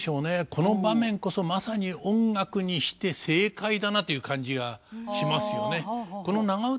この場面こそまさに音楽にして正解だなという感じがしますよね。